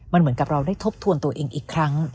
มันเหมือนกับเราได้ทบทวนตัวเองอีกครั้ง